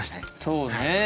そうね。